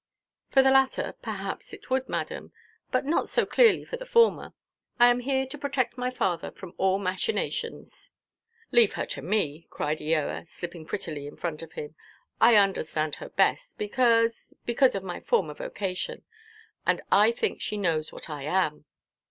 "For the latter, perhaps it would, madam; but not so clearly for the former. I am here to protect my father from all machinations." "Leave her to me," cried Eoa, slipping prettily in front of him, "I understand her best, because—because of my former vocation. And I think she knows what I am."